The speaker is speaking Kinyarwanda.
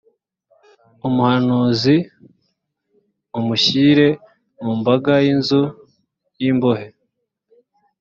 umuhanuzi mu mushyire mu mbago y’inzu y’ imbohe.